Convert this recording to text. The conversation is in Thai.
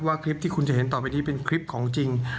คลิปที่คุณจะเห็นต่อไปนี้เป็นคลิปของจริง